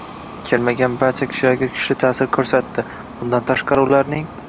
kelmagan barcha kishilarga kuchli ta’sir ko‘rsatdi. Bundan tashqari, ularning